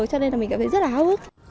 cho nên là mình cảm thấy rất là hào hức